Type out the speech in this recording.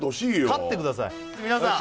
勝ってください皆さん